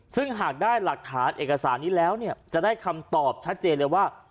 ซึ่งหากได้หลักฐานเอกสารนี้แล้วเนี่ยจะได้คำตอบชัดเจนเลยว่า